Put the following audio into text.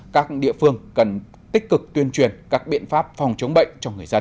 các địa phương cần tích cực tuyên truyền các biện pháp phòng chống bệnh cho người dân